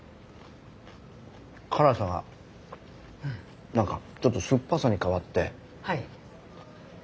辛さがなんかちょっと酸っぱさに変わって食べやすい。